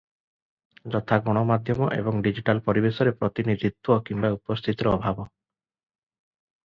ଯଥା ଗଣମାଧ୍ୟମ ଏବଂ ଡିଜିଟାଲ ପରିବେଶରେ ପ୍ରତିନିଧିତ୍ୱ କିମ୍ବା ଉପସ୍ଥିତିର ଅଭାବ ।